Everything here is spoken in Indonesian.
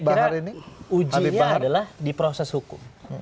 ya saya kira ujinya adalah di proses hukum